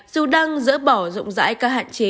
dù đang dỡ bỏ rộng rãi các hạn chế